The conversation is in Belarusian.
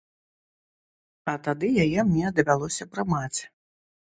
А тады яе мне давялося прымаць.